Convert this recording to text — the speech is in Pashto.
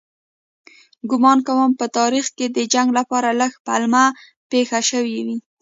ګومان کوم په تاریخ کې د جنګ لپاره لږ پلمه پېښه شوې وي.